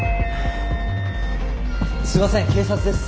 すいません警察です。